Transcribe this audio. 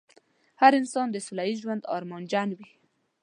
هر انسان د سوله ييز ژوند ارمانجن وي.